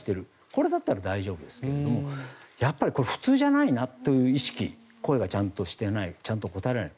これだったら大丈夫ですけれどもやっぱり普通じゃないなという意識声がちゃんとしていないちゃんと答えられない。